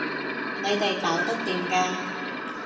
你哋搞得掂㗎